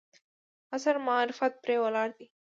عصر معرفت پرې ولاړ دی.